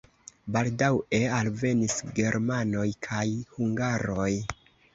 Baldaŭe alvenis germanoj kaj hungaroj.